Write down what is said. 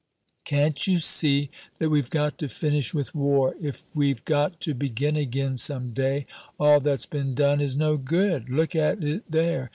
"Can't you see that we've got to finish with war? If we've got to begin again some day, all that's been done is no good. Look at it there!